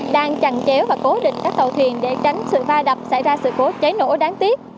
đang chẳng chéo và cố định các tàu thuyền để tránh sự va đập xảy ra sự cố cháy nổ đáng tiếc